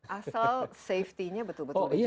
asal safety nya betul betul dijaga ya